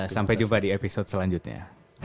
sampai jumpa di episode selanjutnya